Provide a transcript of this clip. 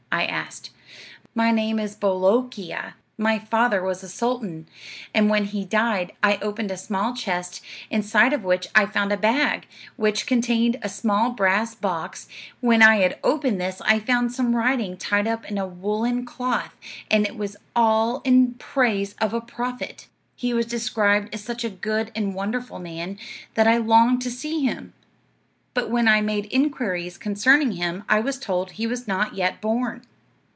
I asked. 'My name is Bolookee'a. My father was a sultan; and when he died I opened a small chest, inside of which I found a bag, which contained a small brass box; when I had opened this I found some writing tied up in a woolen cloth, and it was all in praise of a prophet. He was described as such a good and wonderful man, that I longed to see him; but when I made inquiries concerning him I was told he was not yet born.